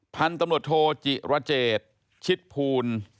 พันธุ์ตำรวจโทจิรเจตชิดภูล